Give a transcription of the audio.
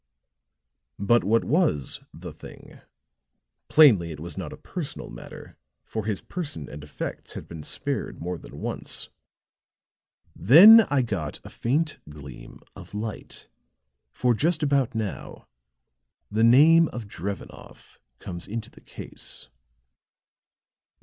"But what was the thing? Plainly it was not a personal matter, for his person and effects had been spared more than once. Then I got a faint gleam of light; for just about now the name of Drevenoff comes into the case."